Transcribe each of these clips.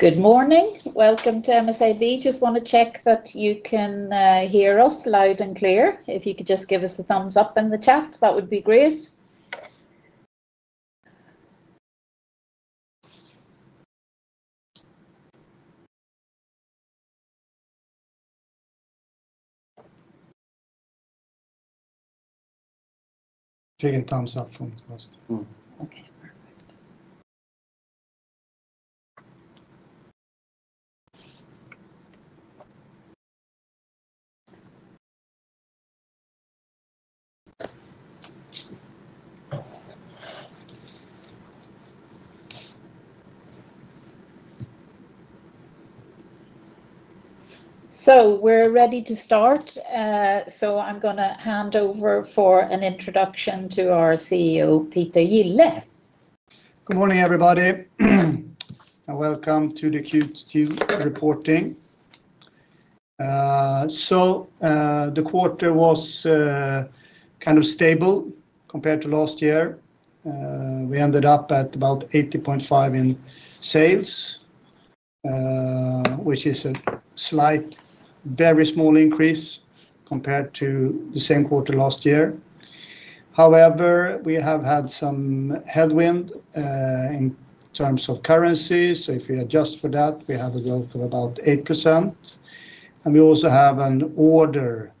Good morning. Welcome to MSAB. Just want to check that you can hear us loud and clear. If you could just give us a thumbs up in the chat, that would be great. Taking thumbs up from the first floor. Okay, perfect. We're ready to start. I'm going to hand over for an introduction to our CEO, Peter Gille. Good morning, everybody. Welcome to the Q2 reporting. The quarter was kind of stable compared to last year. We ended up at about 80.5 million in sales, which is a slight, very small increase compared to the same quarter last year. However, we have had some headwind in terms of currency. If we adjust for that, we have a growth of about 8%. We also have an order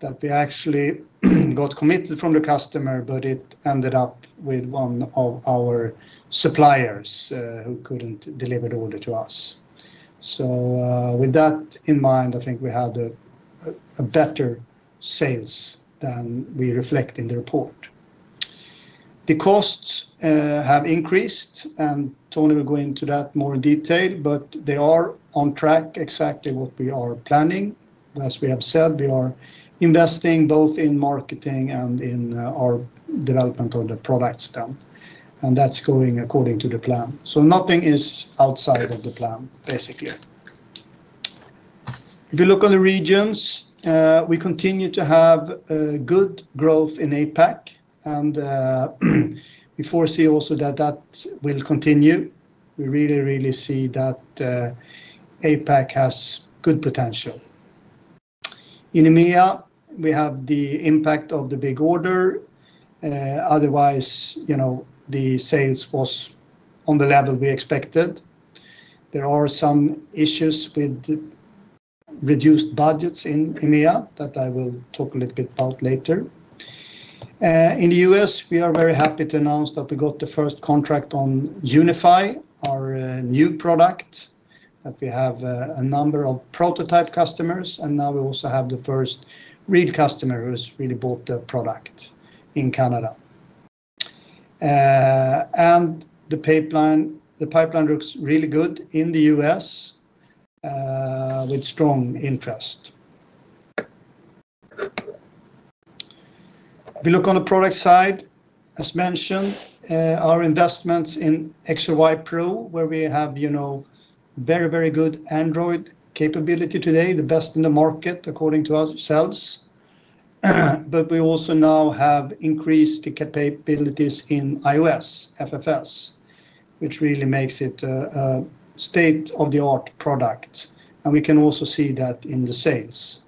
that we actually got committed from the customer, but it ended up with one of our suppliers who couldn't deliver the order to us. With that in mind, I think we had better sales than we reflect in the report. The costs have increased, and Tony will go into that more in detail, but they are on track exactly what we are planning. As we have said, we are investing both in marketing and in our development of the products. That's going according to the plan. Nothing is outside of the plan, basically. If you look on the regions, we continue to have good growth in APAC, and we foresee also that that will continue. We really, really see that APAC has good potential. In EMEA, we have the impact of the big order. Otherwise, the sales was on the level we expected. There are some issues with reduced budgets in EMEA that I will talk a little bit about later. In the U.S., we are very happy to announce that we got the first contract on Unify, our new product, that we have a number of prototype customers, and now we also have the first real customer who has really bought the product in Canada. The pipeline looks really good in the U.S. with strong interest. If you look on the product side, as mentioned, our investments in XRY Pro, where we have very, very good Android exploit capabilities today, the best in the market according to ourselves. We also now have increased capabilities in iOS FFS, which really makes it a state-of-the-art product. We can also see that in the sales,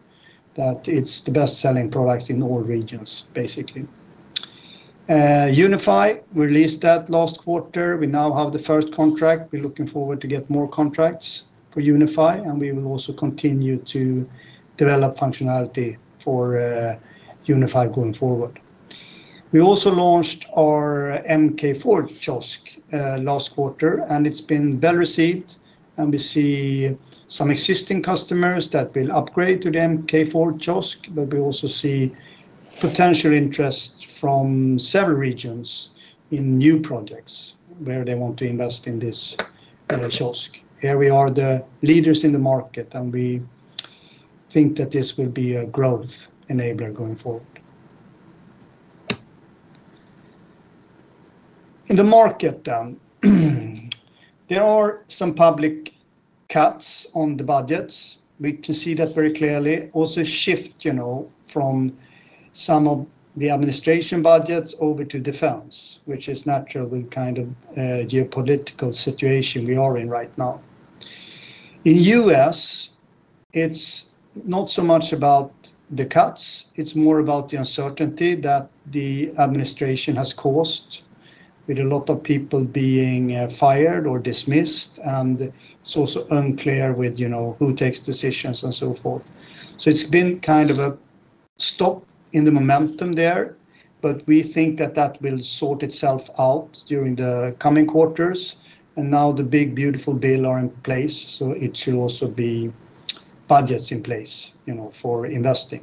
that it's the best-selling product in all regions, basically. Unify released that last quarter. We now have the first contract. We're looking forward to getting more contracts for Unify, and we will also continue to develop functionality for Unify going forward. We also launched our MK4 Kiosk last quarter, and it's been well received. We see some existing customers that will upgrade to the MK4 Kiosk, but we also see potential interest from several regions in new projects where they want to invest in this kiosk. Here we are the leaders in the market, and we think that this will be a growth enabler going forward. In the market, there are some public cuts on the budgets. We can see that very clearly. Also a shift from some of the administration budgets over to defense, which is natural with the kind of geopolitical situation we are in right now. In the U.S., it's not so much about the cuts. It's more about the uncertainty that the administration has caused, with a lot of people being fired or dismissed. It's also unclear who takes decisions and so forth. It's been kind of a stop in the momentum there, but we think that will sort itself out during the coming quarters. Now the big, beautiful bills are in place, so it should also be budgets in place for investing.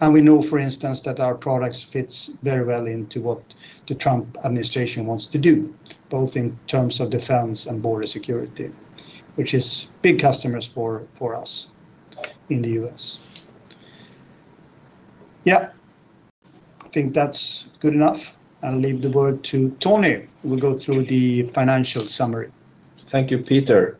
We know, for instance, that our products fit very well into what the Trump administration wants to do, both in terms of defense and border control, which is big customers for us in the U.S. I think that's good enough. I'll leave the word to Tony. We'll go through the financial summary. Thank you, Peter.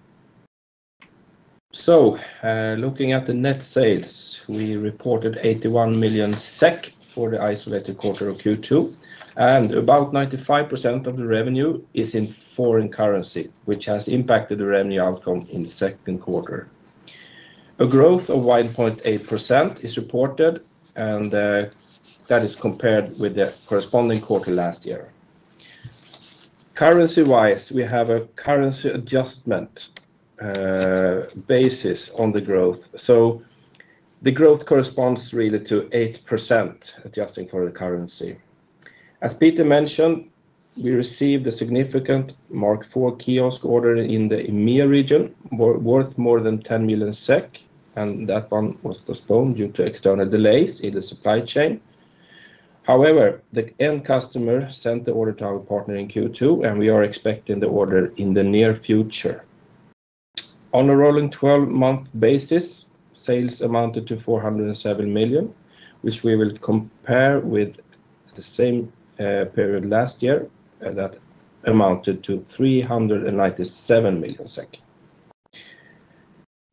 Looking at the net sales, we reported 81 million SEK for the isolated quarter of Q2. About 95% of the revenue is in foreign currency, which has impacted the revenue outcome in the second quarter. A growth of 1.8% is reported, and that is compared with the corresponding quarter last year. Currency-wise, we have a currency adjustment basis on the growth. The growth corresponds really to 8% adjusting for the currency. As Peter mentioned, we received a significant MK4 Kiosk order in the EMEA region, worth more than 10 million SEK, and that one was postponed due to external delays in the supply chain. However, the end customer sent the order to our partner in Q2, and we are expecting the order in the near future. On a rolling 12-month basis, sales amounted to 407 million, which we will compare with the same period last year that amounted to 397 million SEK.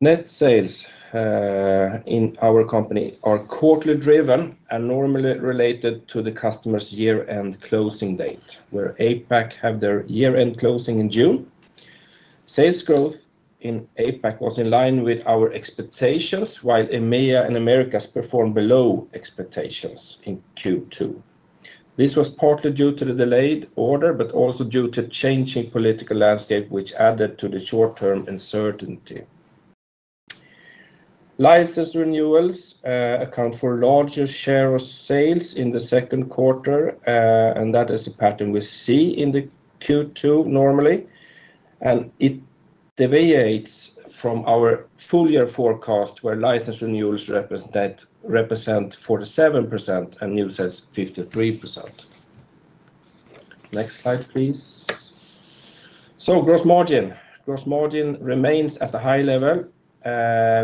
Net sales in our company are quarterly driven and normally related to the customer's year-end closing date, where APAC had their year-end closing in June. Sales growth in APAC was in line with our expectations, while EMEA and Americas performed below expectations in Q2. This was partly due to the delayed order, but also due to a changing political landscape, which added to the short-term uncertainty. License renewals account for a larger share of sales in the second quarter, and that is a pattern we see in Q2 normally. It deviates from our full-year forecast, where license renewals represent 47% and new sales 53%. Next slide, please. Gross margin remains at a high level.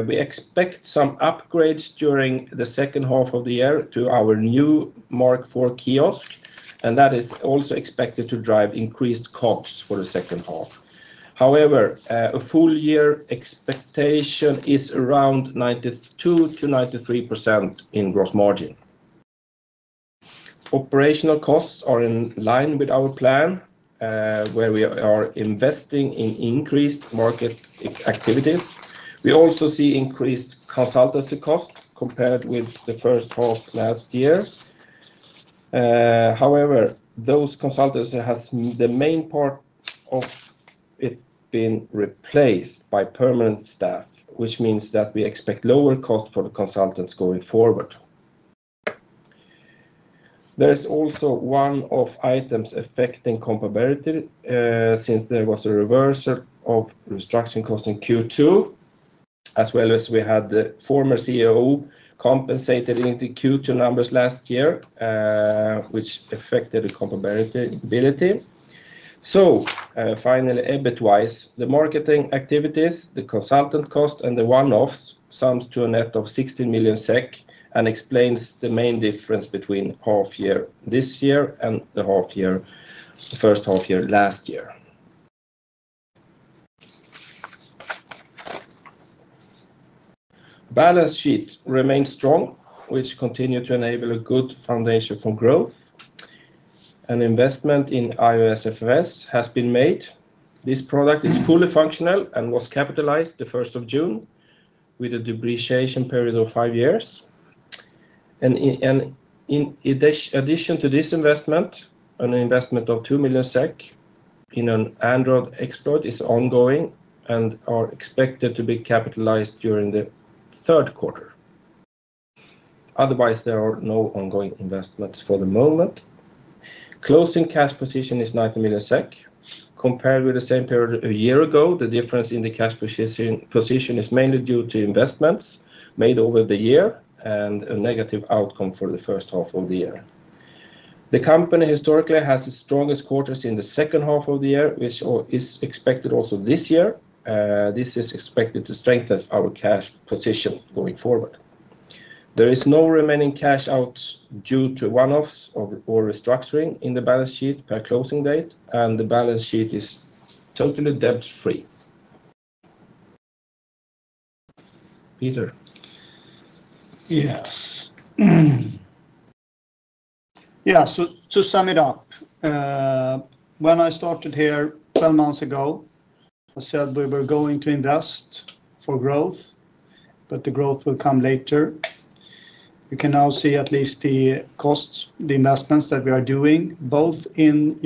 We expect some upgrades during the second half of the year to our new MK4 Kiosk, and that is also expected to drive increased costs for the second half. A full-year expectation is around 92% - 93% in gross margin. Operational costs are in line with our plan, where we are investing in increased market activities. We also see increased consultancy costs compared with the first half last year. Those consultancies have the main part of it being replaced by permanent staff, which means that we expect lower costs for the consultants going forward. There is also one-off items affecting comparability since there was a reversal of construction costs in Q2, as well as we had the former COO compensated in the Q2 numbers last year, which affected the comparability. EBIT-wise, the marketing activities, the consultant cost, and the one-offs sum to a net of 16 million SEK and explain the main difference between half-year this year and the first half-year last year. The balance sheet remains strong, which continues to enable a good foundation for growth. An investment in iOS FFS has been made. This product is fully functional and was capitalized 1st of June with a depreciation period of five years. In addition to this investment, an investment of 2 million SEK in an Android exploit is ongoing and is expected to be capitalized during the third quarter. Otherwise, there are no ongoing investments for the moment. Closing cash position is 90 million SEK. Compared with the same period a year ago, the difference in the cash position is mainly due to investments made over the year and a negative outcome for the first half of the year. The company historically has its strongest quarters in the second half of the year, which is expected also this year. This is expected to strengthen our cash position going forward. There is no remaining cash out due to one-offs or restructuring in the balance sheet per closing date, and the balance sheet is totally debt-free. Peter. Yes. Yeah, to sum it up, when I started here 12 months ago, I said we were going to invest for growth, but the growth will come later. You can now see at least the costs, the investments that we are doing, both in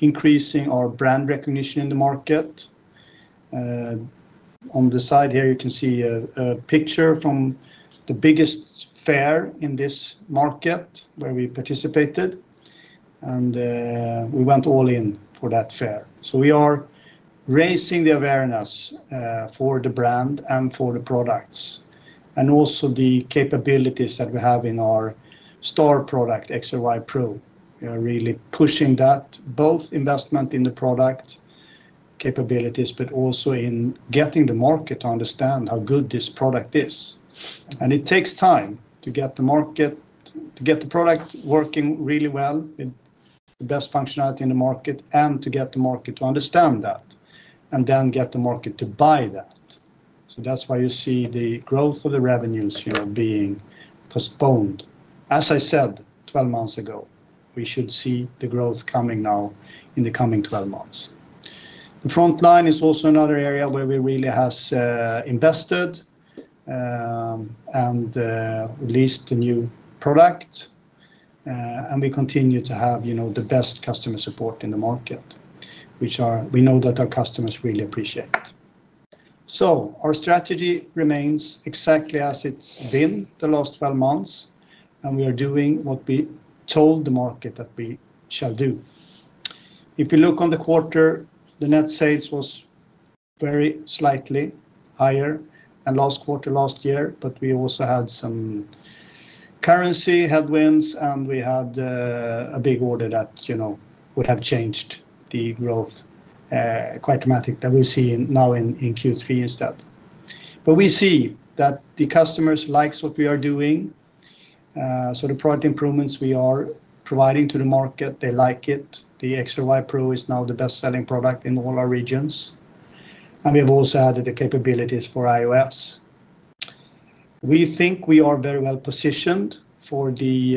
increasing our brand recognition in the market. On the side here, you can see a picture from the biggest fair in this market where we participated, and we went all in for that fair. We are raising the awareness for the brand and for the products, and also the capabilities that we have in our star product, XRY Pro. We are really pushing that, both investment in the product capabilities, but also in getting the market to understand how good this product is. It takes time to get the market, to get the product working really well, the best functionality in the market, and to get the market to understand that, and then get the market to buy that. That is why you see the growth of the revenues here being postponed. As I said 12 months ago, we should see the growth coming now in the coming 12 months. The front line is also another area where we really have invested and released the new product. We continue to have the best customer support in the market, which we know that our customers really appreciate. Our strategy remains exactly as it's been the last 12 months, and we are doing what we told the market that we shall do. If you look on the quarter, the net sales were very slightly higher than last quarter last year, but we also had some currency headwinds, and we had a big order that would have changed the growth quite dramatically that we're seeing now in Q3 instead. We see that the customers like what we are doing. The product improvements we are providing to the market, they like it. The XRY Pro is now the best-selling product in all our regions. We have also added the capabilities for iOS. We think we are very well positioned for the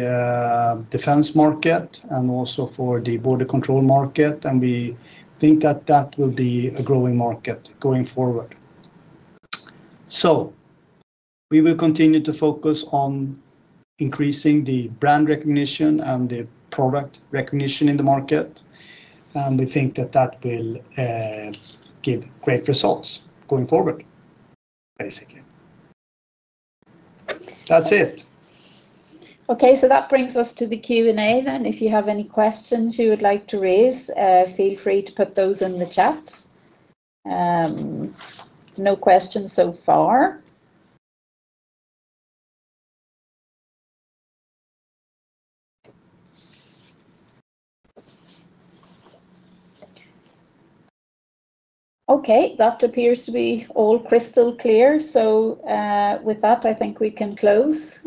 defense market and also for the border control market, and we think that that will be a growing market going forward. We will continue to focus on increasing the brand recognition and the product recognition in the market, and we think that that will give great results going forward, basically. That's it. Okay, so that brings us to the Q&A then. If you have any questions you would like to raise, feel free to put those in the chat. No questions so far. Okay, that appears to be all crystal clear. With that, I think we can close.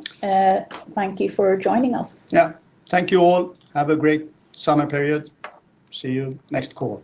Thank you for joining us. Thank you all. Have a great summer period. See you next call.